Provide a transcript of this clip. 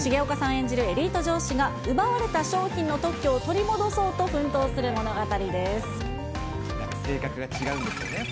演じるエリート上司が奪われた商品の特許を取り戻そうとなんか性格が違うんですかね。